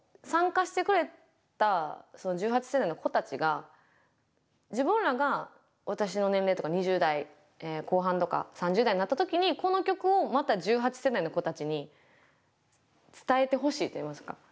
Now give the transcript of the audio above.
参加してくれた１８世代の子たちが自分らが私の年齢とか２０代後半とか３０代になった時にこの曲をまた１８世代の子たちに伝えてほしいといいますか。